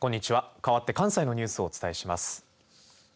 かわって関西のニュースをお伝えします。